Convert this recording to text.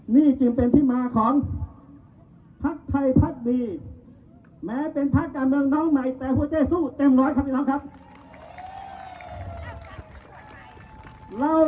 พี่น้องนึกถึงลุงโฮหรือโฮจิมินที่เขาต่อสู้กับฝรั่งเศสต่อสู้กับเวียดนามต่อสู้กับอเมริกา